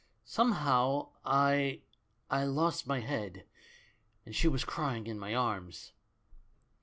Somehow I — I lost my head, and she was crying in my arms.